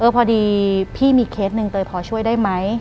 พอดีพี่มีเคสหนึ่งเตยพอช่วยได้ไหม